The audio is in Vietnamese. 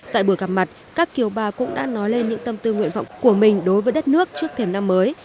tại buổi gặp mặt các kiều bào cũng đã nói lên những tâm tư nguyện vọng của mình đối với đất nước trước thềm năm mới